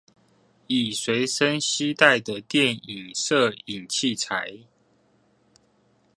以隨身攜帶的電影攝影器材